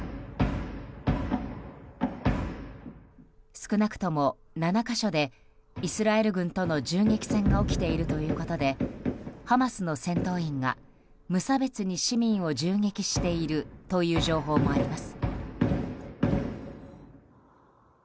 少なくとも７か所でイスラエル軍との銃撃戦が起きているということでハマスの戦闘員が無差別に市民を銃撃しているという情報もあります。